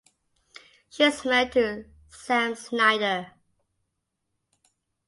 She is married to Sam Snyder.